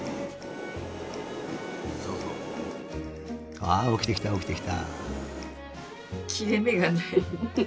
ああおきてきたおきてきた。